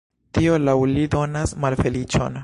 Tio, laŭ li, donas malfeliĉon!